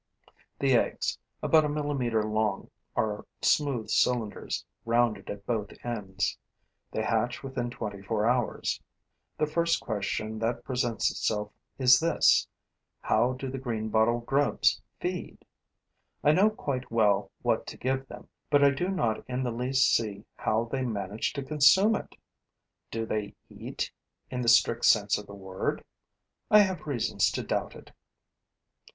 The eggs, about a millimeter long, are smooth cylinders, rounded at both ends. They hatch within twenty four hours. The first question that presents itself is this: how do the greenbottle grubs feed? I know quite well what to give them, but I do not in the least see how they manage to consume it. Do they eat, in the strict sense of the word? I have reasons to doubt it.